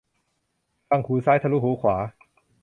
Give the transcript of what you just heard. ฟังหูซ้าย ทะลุหูขวา